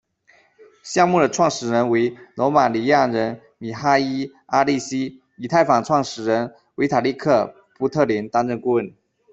项目的创始人为罗马尼亚人米哈伊·阿利西，以太坊创始人维塔利克·布特林担任顾问。